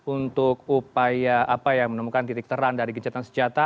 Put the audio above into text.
untuk upaya menemukan titik terang dari gencatan senjata